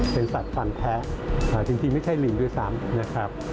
เป็นสัตว์ฟันแท้จริงไม่ใช่ลิงด้วยซ้ำนะครับ